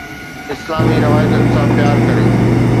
اسلامي روايتن سان پيار ڪريو